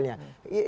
yang terang misalnya